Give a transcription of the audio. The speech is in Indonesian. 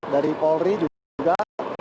dari polri juga